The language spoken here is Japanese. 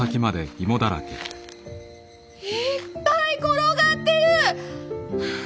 いっぱい転がってる！